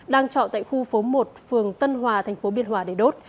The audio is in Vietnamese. đang trọ tại khu phố một phường tân hòa thành phố biên hòa để đốt